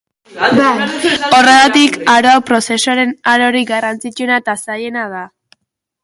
Horregatik, aro hau prozesuaren arorik garrantzitsuena eta zailena da.